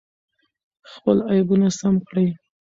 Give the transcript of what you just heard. خپل عیبونه سم کړئ.